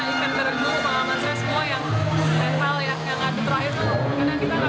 yang ada terakhir itu karena kita gak bisa melakukan eksternal daya